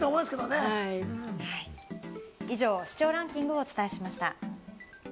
以上、視聴ランキングをお伝えしました。